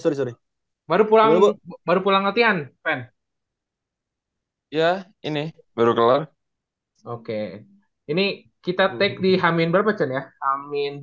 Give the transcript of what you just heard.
sorry baru pulang baru pulang latihan ya ini baru keluar oke ini kita tek di hamin berapa ya amin dua